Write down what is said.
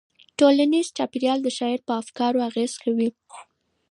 ټولنیز چاپیریال د شاعر په افکارو اغېز کوي.